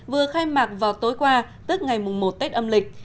vừa khai mạc vào tối qua tức ngày một tết âm lịch